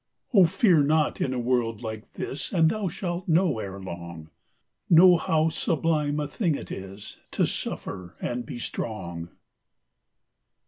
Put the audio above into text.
Oh, fear not in a world like this, And thou shalt know erelong, Know how sublime a thing it isTo suffer and be strong.